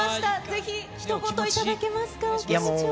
ぜひひと言いただけますか、気持ちを。